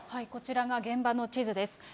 こちらが現場の地図です。